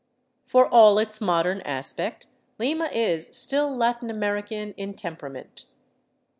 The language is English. For all its modern aspect, Lima is still Latin American in tempera ment.